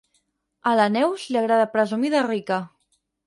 A la Neus li agrada presumir de rica.